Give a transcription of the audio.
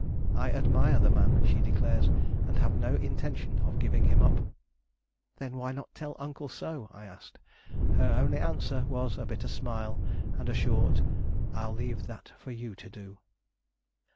'I admire the man,' she declares, 'and have no intention of giving him up.' 'Then why not tell Uncle so?' I asked. Her only answer was a bitter smile and a short, 'I leave that for you to do.